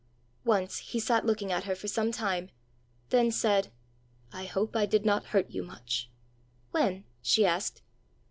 Once he sat looking at her for some time then said, "I hope I did not hurt you much." "When?" she asked.